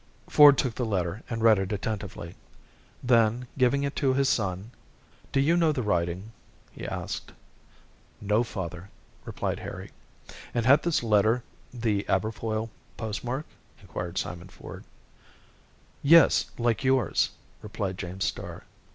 Ford took the letter and read it attentively. Then giving it to his son, "Do you know the writing?" he asked. "No, father," replied Harry. "And had this letter the Aberfoyle postmark?" inquired Simon Ford. "Yes, like yours," replied James Starr.